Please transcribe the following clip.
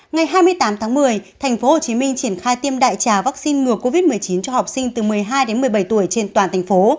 ngày hai mươi tám tháng một mươi tp hcm triển khai tiêm đại trà vaccine ngừa covid một mươi chín cho học sinh từ một mươi hai đến một mươi bảy tuổi trên toàn thành phố